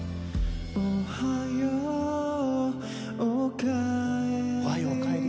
「おはようおかえり」。